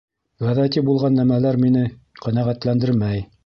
Ғәҙәти булған нәмәләр мине ҡәнәғәтләндермәй.